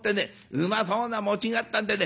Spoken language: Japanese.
うまそうな餅があったんでね